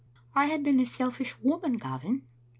" I have been a selfish woman, Gavin."